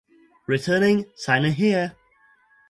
Returning? Sign in Here